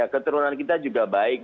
keterunan kita juga baik